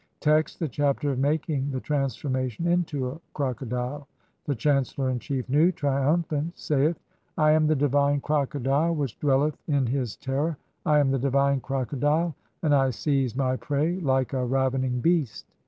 Text : (1) The Chapter of making the transformation INTO A CROCODILE. The chancellor in chief (2), Nu, trium phant, saith :— "I am the divine crocodile which dwelleth in his terror, I am "the divine crocodile, and I seize [my prey] like (4) a ravening "beast.